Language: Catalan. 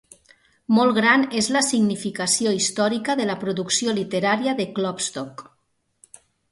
Molt gran és la significació històrica de la producció literària de Klopstock.